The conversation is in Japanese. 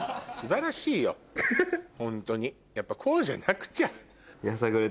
ホントにやっぱこうじゃなくちゃ。